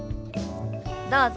どうぞ。